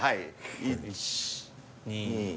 １・２。